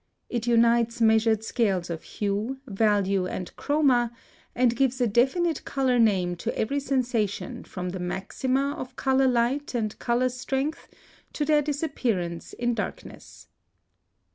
It unites measured scales of hue, value, and chroma, and gives a definite color name to every sensation from the maxima of color light and color strength to their disappearance in darkness.